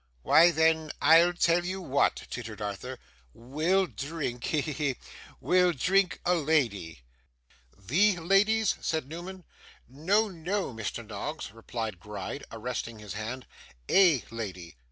'Why, then, I'll tell you what,' tittered Arthur, 'we'll drink he, he, he! we'll drink a lady.' 'THE ladies?' said Newman. 'No, no, Mr. Noggs,' replied Gride, arresting his hand, 'A lady.